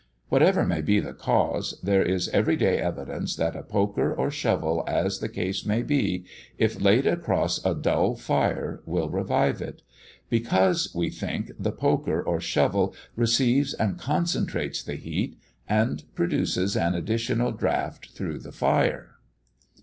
Whatever may be the cause, there is every day evidence that a poker or shovel, as the case may be, if laid across a dull fire, will revive it; because, we think, the poker or shovel receives and concentrates the heat, and produces an additional draught through the fire.